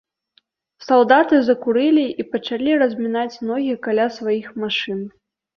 Салдаты закурылі і пачалі размінаць ногі каля сваіх машын.